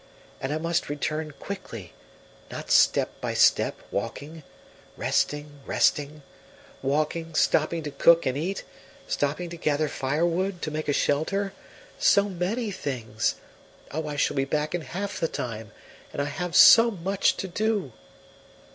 And I must return quickly, not step by step, walking resting, resting walking, stopping to cook and eat, stopping to gather firewood, to make a shelter so many things! Oh, I shall be back in half the time; and I have so much to do."